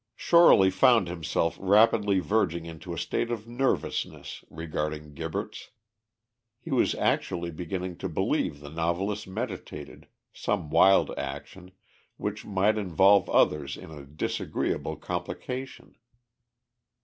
Shorely found himself rapidly verging into a state of nervousness regarding Gibberts. He was actually beginning to believe the novelist meditated some wild action, which might involve others in a disagreeable complication.